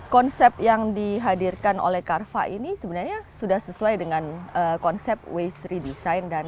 konsep yang dihadirkan oleh carva ini sebenarnya sudah sesuai dengan konsep waste redesign